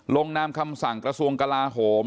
ลงนามคำสั่งกระทรวงกลาโหม